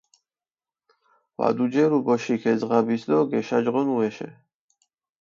ვადუჯერუ ბოშიქ ე ძღაბის დო გეშაჯღონუ ეშე.